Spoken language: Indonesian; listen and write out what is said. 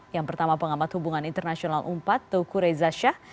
yang pertama pengamat hubungan internasional empat tukure zazah